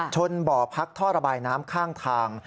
ชนบ่อพักท่อระบายน้ำข้างทาง